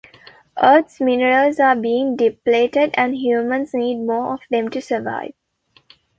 Earth's minerals are being depleted and humans need more of them to survive.